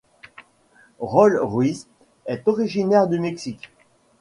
Raul Ruiz est originaire du Mexique.